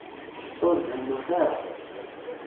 Ur zennut ara.